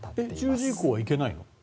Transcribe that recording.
１０時以降はいけないの？